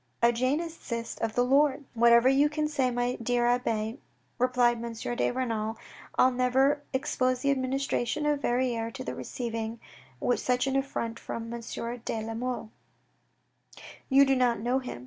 A Jansenist, by the Lord." " Whatever you can say, my dear abbe, replied M. de Renal, I'll never expose the administration of Verrieres to receiving such an affront from M. de la Mole. You do not know him.